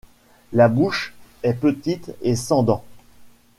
La bouche est petite et sans dents.